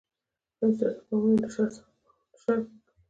ایا ستاسو ګامونه له شر پاک دي؟